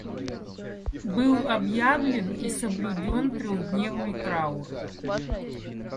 Был объявлен и соблюден трехдневный траур.